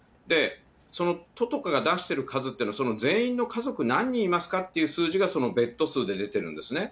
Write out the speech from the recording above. その都とかが出してる数っていうのは、全員の家族何人いるんですかって数字がそのベッド数で出てるんですね。